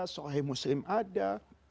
soleh muslim ada